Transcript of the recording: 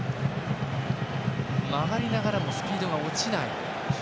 曲がりながらもスピードが落ちない。